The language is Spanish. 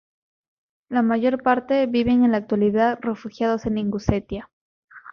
La mayor parte viven en la actualidad refugiados en Ingusetia.